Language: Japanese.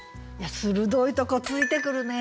鋭いとこ突いてくるね。